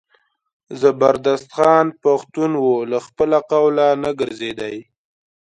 زبردست خان پښتون و له خپله قوله نه ګرځېدی.